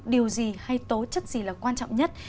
điều gì hay tố chất gì là quan trọng nhất